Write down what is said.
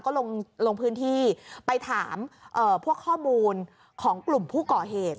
ก็ลงพื้นที่ไปถามพวกข้อมูลของกลุ่มผู้ก่อเหตุ